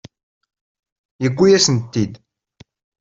Yuwi-asent-ten-id.